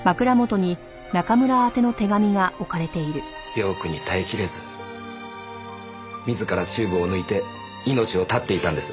病苦に耐えきれず自らチューブを抜いて命を絶っていたんです。